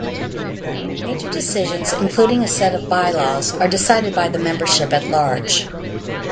Major decisions, including a set of bylaws are decided by the membership at large.